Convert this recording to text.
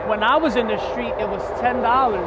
ketika saya di jalan ini itu sepuluh dolar